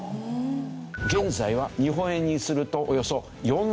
現在は日本円にするとおよそ４４００兆円。